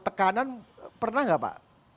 tekanan pernah nggak pak